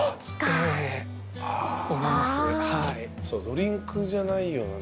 ドリンクじゃないよな。